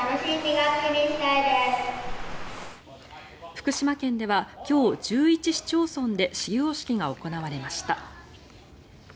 福島県では今日、１１市町村で始業式が行われました。